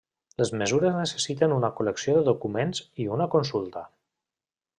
Les mesures necessiten una col·lecció de documents i una consulta.